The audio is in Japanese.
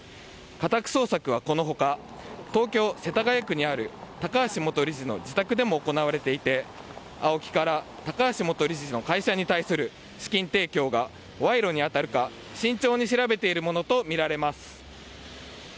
家宅捜索はこのほか、東京・世田谷区にある高橋元理事の自宅でも行われていて、ＡＯＫＩから高橋元理事に対する会社に対する資金提供が賄賂にあたるか慎重に調べているものと見られます。